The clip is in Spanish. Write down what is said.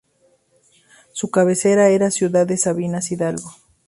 Su cabecera era la ciudad de Sabinas Hidalgo.